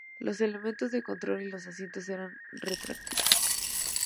Los elementos de control y los asientos eran retráctiles.